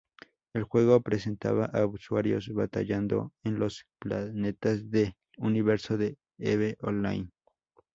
El juego presentaba a usuarios batallando en los planetas del universo de "Eve Online".